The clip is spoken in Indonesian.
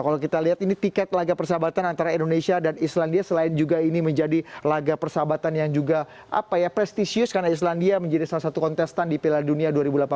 kalau kita lihat ini tiket laga persahabatan antara indonesia dan islandia selain juga ini menjadi laga persahabatan yang juga prestisius karena islandia menjadi salah satu kontestan di piala dunia dua ribu delapan belas